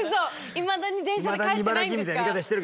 いまだに電車で帰ってないんですか？